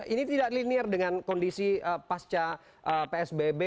ini tidak linear dengan kondisi pasca psbb